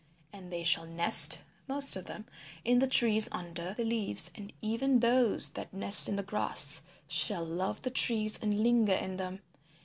And they shall nest, most of them, in the trees under the leaves, and even those that nest in the grass shall love the trees and linger in them.